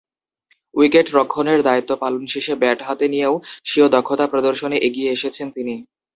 উইকেট-রক্ষণের দায়িত্ব পালন শেষে ব্যাট হাতে নিয়েও স্বীয় দক্ষতা প্রদর্শনে এগিয়ে এসেছেন তিনি।